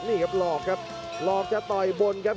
นี่ครับหลอกครับหลอกจะต่อยบนครับ